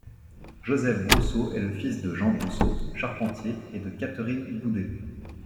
Joseph Brousseau est le fils de Jean Brousseau, charpentier, et de Catherine Boudet.